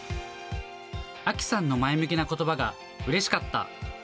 亜紀さんの前向きなことばがうれしかった。